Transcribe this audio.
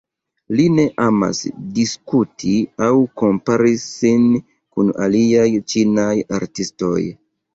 Li ne emas diskuti aŭ kompari sin kun aliaj ĉinaj artistoj.